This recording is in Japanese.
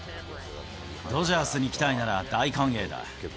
ドジャースに来たいなら大歓迎だ。